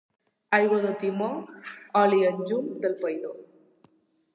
Aigua de timó, oli en un llum pel païdor.